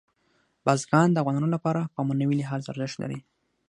بزګان د افغانانو لپاره په معنوي لحاظ ارزښت لري.